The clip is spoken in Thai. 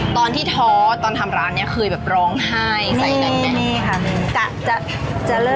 ไปทะเลาะกับแม่แรงด้วยหรอ